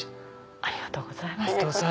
ありがとうございます。